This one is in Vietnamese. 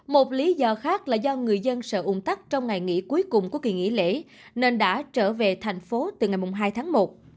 một lý do khác là do người dân sợ ung tắc trong ngày nghỉ cuối cùng của kỳ nghỉ lễ nên đã trở về thành phố từ ngày hai tháng một